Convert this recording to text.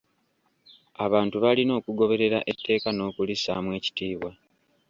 Abantu balina okugoberera etteeka n'okulissaamu ekitiibwa.